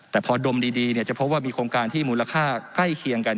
แต่พอดมดีจะพบว่ามีโครงการที่มูลค่าใกล้เคียงกัน